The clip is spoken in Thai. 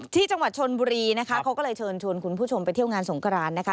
ที่จังหวัดชนบุรีนะคะเขาก็เลยเชิญชวนคุณผู้ชมไปเที่ยวงานสงกรานนะคะ